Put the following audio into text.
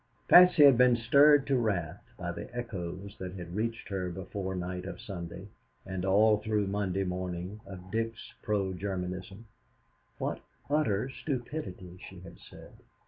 Patsy had been stirred to wrath by the echoes that had reached her before night of Sunday and all through Monday morning of Dick's pro Germanism. What utter stupidity, she had said.